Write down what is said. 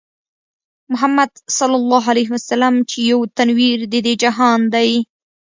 محمدص چې يو تنوير د دې جهان دی